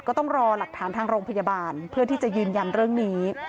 ก็ต้องรอหลักฐานทางโรงพยาบาลเพื่อที่จะยืนยันเรื่องนี้